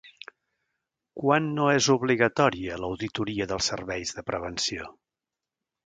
Quan no és obligatòria l'auditoria dels serveis de prevenció?